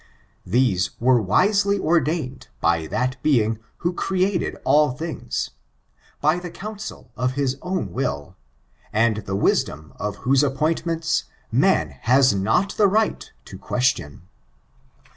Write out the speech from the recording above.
These were wisely ordained by that Being who created all things, by the counsel of his own will, and the wisdom of whose appointments man has not the right to ques tion.